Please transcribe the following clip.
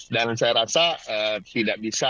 dan saya rasa tidak bisa